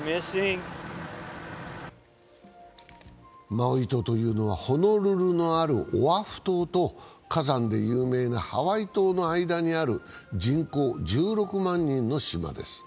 マウイ島というのはホノルルのあるオアフ島と火山で有名なハワイ島の間にある人口１６万人の島です。